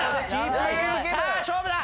さあ勝負だ！